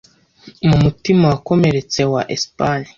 Mu mutima wakomeretse wa Espanye,